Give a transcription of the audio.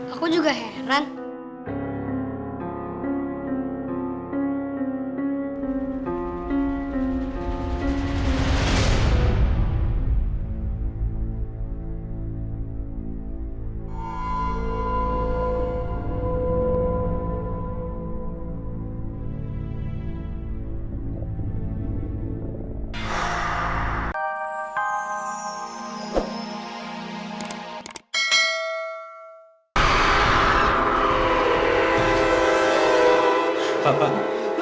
ada apa pak